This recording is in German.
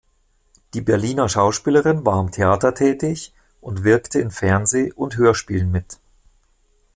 Die Berliner Schauspielerin war am Theater tätig und wirkte in Fernseh- und Hörspielen mit.